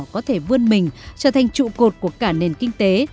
có thể vươn mình trở thành trụ cột của cả nền kinh tế